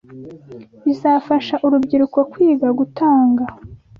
Bizafasha urubyiruko kwiga gutanga